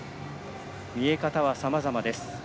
見え方はさまざまです。